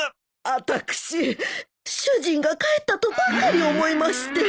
あたくし主人が帰ったとばかり思いまして。